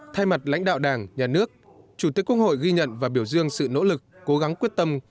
thay mặt lãnh đạo đảng nhà nước chủ tịch quốc hội ghi nhận và biểu dương sự nỗ lực cố gắng quyết tâm